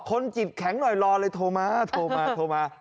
คนจิตแข็งหน่อยรอเลยโทรมาโทรมาโทรมา